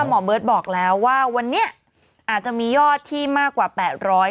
หมอเบิร์ตบอกแล้วว่าวันนี้อาจจะมียอดที่มากกว่า๘๐๐